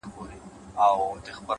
هره هڅه د راتلونکي بنسټ ږدي’